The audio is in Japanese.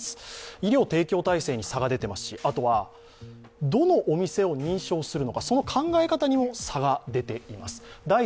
医療提供体制に差が出ていますしどのお店を認証するのかその考え方にも差が出ています。